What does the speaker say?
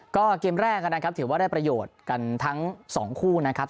ก็เกมแรกนะครับถือว่าได้ประโยชน์กันทั้งสองคู่นะครับ